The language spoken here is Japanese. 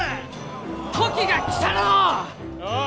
時が来たらのう！